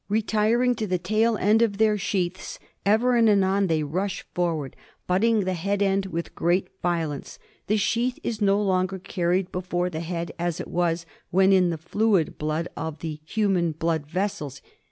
Retiring to the tail end of their sheaths ever and anon they rush forward, butting the head end with great violence. The sheath is no longer carried before the head as it was when in the fluid blood of the human blood vessels.